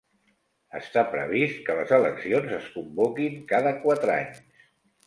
Està previst que les eleccions es convoquin cada quatre anys.